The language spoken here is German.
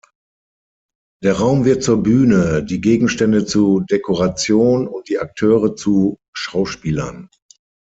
Der Raum wird zur Bühne, die Gegenstände zu Dekoration und die Akteure zu Schauspielern.